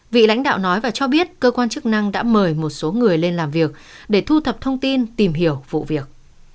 vị lãnh đạo nói và cho biết cơ quan chức năng đã mời một số người lên làm việc để thu thập thông tin tìm hiểu vụ việc